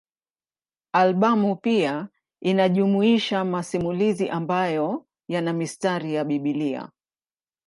Albamu pia inajumuisha masimulizi ambayo yana mistari ya Biblia.